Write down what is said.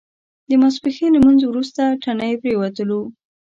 د ماسپښین لمونځ وروسته تڼۍ پرېوتلو.